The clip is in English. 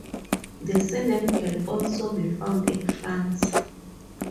The surname can also be found in France.